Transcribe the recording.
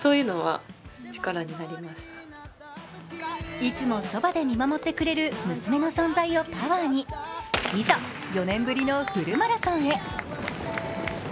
いつもそばで見守ってくれる娘の存在をパワーにいざ、４年ぶりのフルマラソンへ。